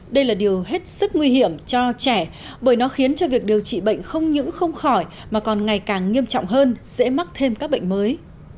đây là điều hết sức nguy hiểm cho trẻ bởi nó khiến cho việc điều trị bệnh không những không khỏi mà còn ngày càng nghiêm trọng hơn dễ mắc thêm các bệnh mới